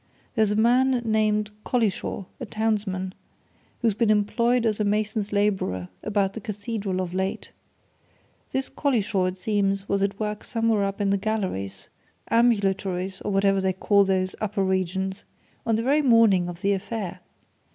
There's a man named Collishaw, a townsman, who's been employed as a mason's labourer about the Cathedral of late. This Collishaw, it seems, was at work somewhere up in the galleries, ambulatories, or whatever they call those upper regions, on the very morning of the affair.